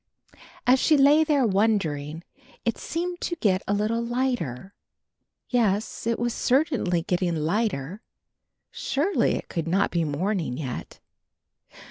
As she lay there wondering, it seemed to get a little lighter. Yes, it was certainly getting lighter, surely it could not be morning yet.